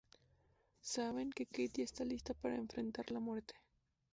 Saben que Kate ya está lista para enfrentar la muerte.